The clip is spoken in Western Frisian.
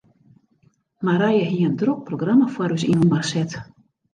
Marije hie in drok programma foar ús yninoar set.